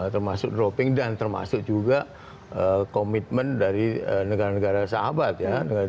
termasuk dropping dan termasuk juga komitmen dari negara negara sahabat ya